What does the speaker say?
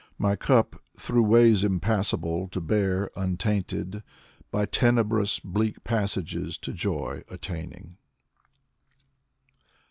My cup, through ways impassable, To bear, untainted ; By tenebrous bleak passages To joy attaining.